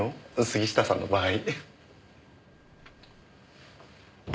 杉下さんの場合。